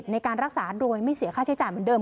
ในการรักษาโดยไม่เสียค่าใช้จ่ายเหมือนเดิ